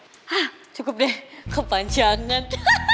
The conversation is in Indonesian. hah cukup deh kapan jangan